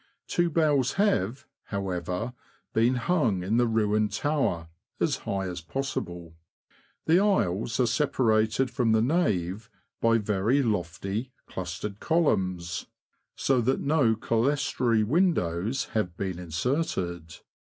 Two bells have, however, been hung in the ruined tower, as high as possible. The aisles are separated from the nave by very lofty, clustered columns, so that no clerestory windows have been inserted.